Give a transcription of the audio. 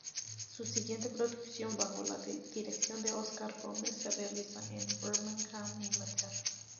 Su siguiente producción, bajo la dirección de Óscar Gómez, se realiza en Birmingham, Inglaterra.